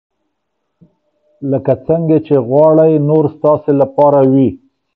لکه څنګه چې غواړئ نور ستاسې لپاره وي.